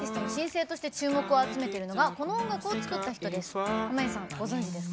新星として注目を集めているのがこの音楽を作った人です。